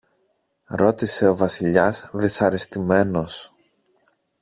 ρώτησε ο Βασιλιάς δυσαρεστημένος.